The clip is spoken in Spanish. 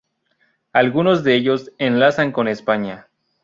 Algunos de ellos enlazan con España.